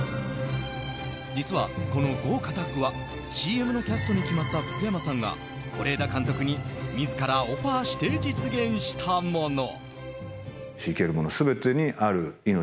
実は、この豪華タッグはＣＭのキャストに決まった福山さんが是枝監督に自らオファーして実現したもの。